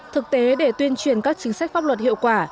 thực tế để tuyên truyền các chính sách pháp luật hiệu quả